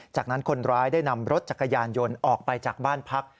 จากนั้นคนร้ายได้นำรถจักรยานยนต์ออกไปจากบ้านพัก